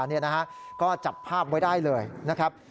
นี่นะฮะก็จับภาพไว้ได้เลยนะครับ